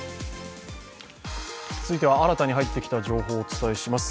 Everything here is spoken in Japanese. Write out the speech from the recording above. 続いては新たに入ってきた情報をお伝えします。